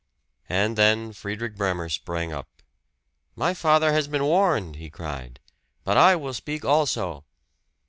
And then Friedrich Bremer sprang up. "My father has been warned!" he cried. "But I will speak also!"